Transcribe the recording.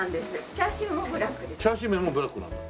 チャーシューメンもブラックなんだ。